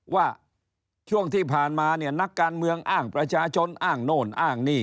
ว่าช่วงที่ผ่านมาเนี่ยนักการเมืองอ้างประชาชนอ้างโน่นอ้างนี่